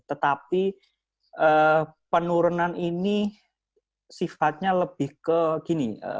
tetapi penurunan ini sifatnya lebih ke gini